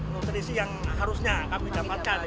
nutrisi yang harusnya kami dapatkan